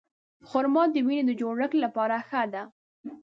خرما د وینې د جوړښت لپاره ښه ده.